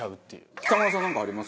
北村さんなんかあります？